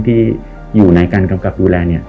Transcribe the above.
ที่อยู่ในการกำกับดูแล